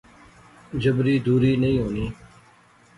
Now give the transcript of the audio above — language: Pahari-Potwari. جبری دوری نئیں ہوںی